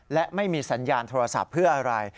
และไม่มีสัญญาณโทรศัพท์เพื่ออะไร